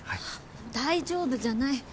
大丈夫じゃない。